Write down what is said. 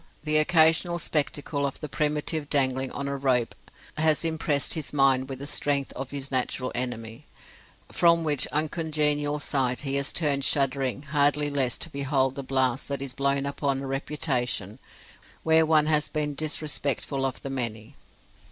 The occasional spectacle of the primitive dangling on a rope has impressed his mind with the strength of his natural enemy: from which uncongenial sight he has turned shuddering hardly less to behold the blast that is blown upon a reputation where one has been disrespectful of the many.